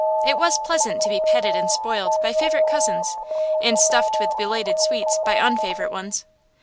It was pleasant to be petted and spoiled by favorite cousins and stuffed with belated sweets by unfavorite ones.